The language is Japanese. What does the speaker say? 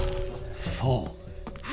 そう！